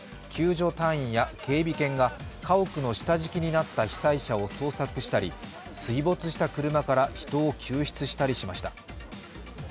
救助隊員や警備犬が家屋の下敷きになった被災者を捜索したり、水没した車から人を救出したりしました。